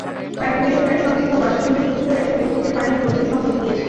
কয়েকটি বেসরকারি সংস্থা ওয়াসার সঙ্গে চুক্তি করে এসব বস্তিতে পানির বৈধ সংযোগ দিয়েছে।